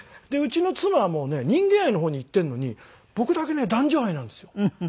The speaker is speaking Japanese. でうちの妻はもうね人間愛の方にいってるのに僕だけね男女愛なんですよ。